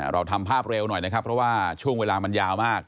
เราทำภาพเร็วหน่อยนะครับเพราะว่าช่วงเวลามันยาวมาก